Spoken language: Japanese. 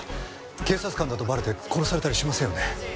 警察官だとバレて殺されたりしませんよね？